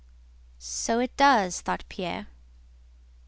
"So it does," thought Pierre.